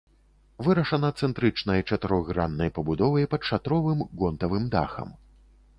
Вырашана цэнтрычнай чатырохграннай пабудовай пад шатровым гонтавым дахам.